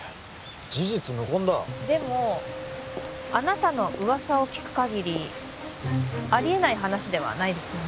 事実無根だでもあなたの噂を聞くかぎりありえない話ではないですよね